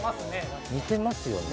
似てますよね。